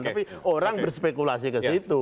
tapi orang berspekulasi ke situ